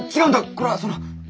これはその。